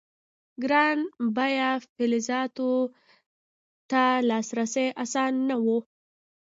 ګران بیه فلزاتو ته لاسرسی اسانه نه و.